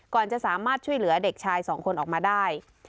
จะสามารถช่วยเหลือเด็กชายสองคนออกมาได้